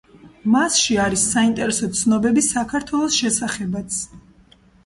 მასში არის საინტერესო ცნობები საქართველოს შესახებაც.